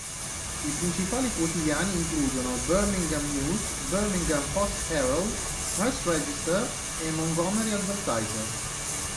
I principali quotidiani includono Birmingham News, Birmingham Post-Herald, Press-Register e Montgomery Advertiser.